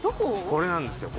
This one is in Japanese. これなんですよ。